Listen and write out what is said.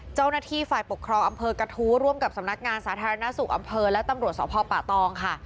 เจ้าหน้าที่ฝ่ายปกครองอำเภอกระทู้ร่วมกับสำนักงานสาธารณสุขอำเภอและตำรวจสพป่าตองค่ะ